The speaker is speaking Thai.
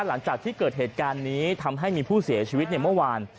หลังจากที่เกิดเหตุการณ์นี้ทำให้มีผู้เสียชีวิตในเมื่อวาน